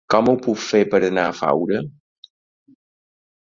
Com ho puc fer per anar a Faura?